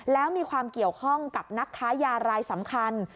แล้วมีความเกี่ยวข้องกับนักค้ายารายสำคัญ